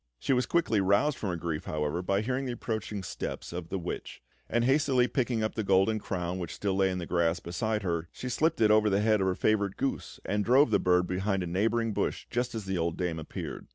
She was quickly roused from her grief, however, by hearing the approaching steps of the witch; and hastily picking up the golden crown which still lay in the grass beside her, she slipped it over the head of her favourite goose and drove the bird behind a neighbouring bush just as the old dame appeared.